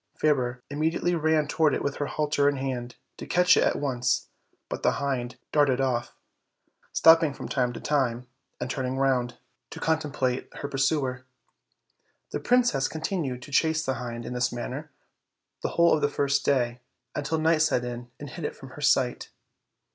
Fairer immediately ran toward it with her halter in her hand, to catch it at once; but the hind darted off, stopping from time to time, and turning round OLD, OLD FAIRY TALES. 51 to contemplate her pursuer. The princess continued to chase the hind in this manner the whole of the first day, until night set in and hid it from her sight.